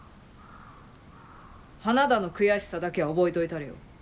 花田の悔しさだけは覚えといたれよ。